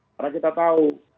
karena kita tahu